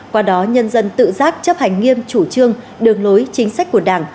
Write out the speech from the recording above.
qua đó nhân dân tự giác chấp hành nghiêm chủ trương đường lối chính sách của đảng